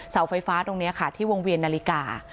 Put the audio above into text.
เสาไฟฟ้าตรงนี้ค่ะที่วงเวียนนาฬิกา